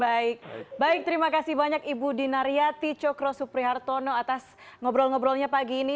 baik baik terima kasih banyak ibu dinaryati cokro suprihartono atas ngobrol ngobrolnya pagi ini